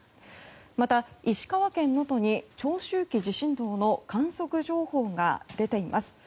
また、石川県能登に長周期地震動の観測情報が出ています。